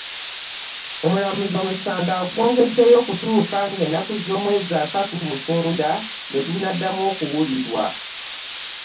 Omulamuzi omusango agwongeddeyo okutuuka ng'ennaku z'omwezi asatu, Mutunda, lwe gunaddamu okuwulirwa.